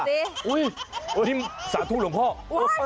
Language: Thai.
เอาสิสาธุหลวงพ่อ